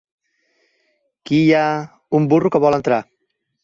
Qui hi ha? / —Un burro que vol entrar.